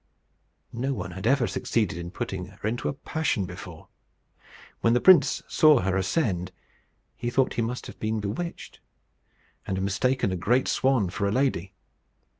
No one had ever succeeded in putting her into a passion before. When the prince saw her ascend, he thought he must have been bewitched, and have mistaken a great swan for a lady.